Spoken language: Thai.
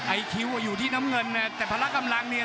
ไอคิวอยู่ที่น้ำเงินนะแต่พละกำลังเนี่ย